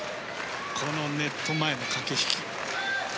このネット前の駆け引き。